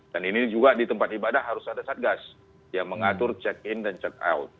dan ini juga di tempat ibadah harus ada satgas yang mengatur check in dan check out